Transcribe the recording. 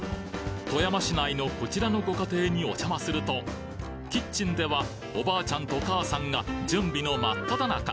富山市内のこちらのご家庭にお邪魔するとキッチンではおばあちゃんとお母さんが準備の真っ只中！